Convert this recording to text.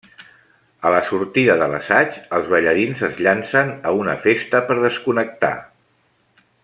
A la sortida de l'assaig, els ballarins es llancen a una festa per desconnectar.